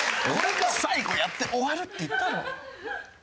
最後やって終わるって言っただろ！